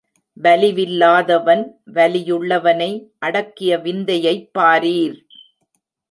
வலிவில்லாதவன் வலியுள்ளவனை அடக்கிய விந்தையைப் பாரீர்!